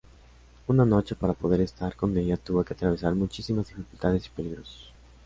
Una noche, para poder estar con ella tuvo que atravesar muchísimas dificultades y peligros.